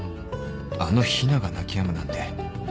あの陽菜が泣きやむなんて